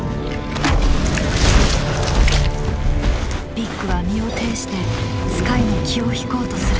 ビッグは身をていしてスカイの気を引こうとする。